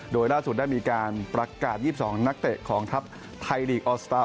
โดยล่าสุดได้มีการประกาศ๒๒นักเตะของทัพไทยลีกออสตาร์